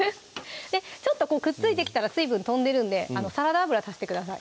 ちょっとくっついてきたら水分飛んでるんでサラダ油足してください